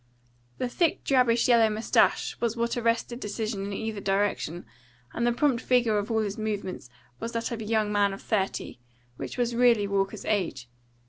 The thick drabbish yellow moustache was what arrested decision in either direction, and the prompt vigour of all his movements was that of a young man of thirty, which was really Walker's age.